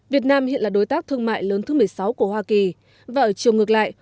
việt nam hiện là đối tác thương mại lớn thứ một mươi sáu của hoa kỳ và ở chiều ngược lại